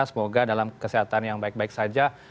semoga dalam kesehatan yang baik baik saja